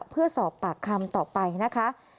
เพื่อสอบปากคำต่อไปนะคะ